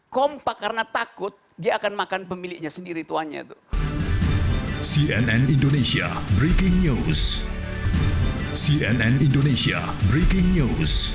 kompak karena takut dia akan makan pemiliknya sendiri tuannya tuh